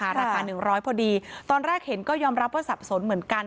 ราคา๑๐๐พอดีตอนแรกเห็นก็ยอมรับว่าสับสนเหมือนกัน